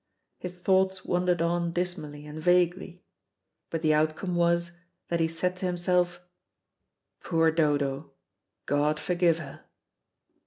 His thoughts wandered on dismally and vaguely. But the outcome was, that he said to himself, "Poor Dodo, God forgive her."